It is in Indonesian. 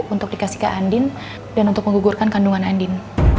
untuk dikasih ke andin dan untuk menggugurkan kandungan andin